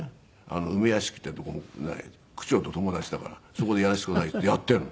梅屋敷ってとこも区長と友達だからそこでやらせてくださいってやっているの。